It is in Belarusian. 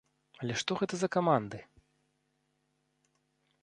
Але што гэта за каманды?